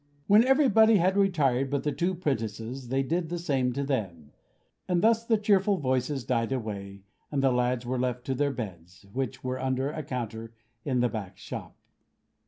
When everybody had retired but the two 'prentices they did the same to them; and thus the cheerful voices died away, and the lads were left to their beds; which were under a counter in the back shop.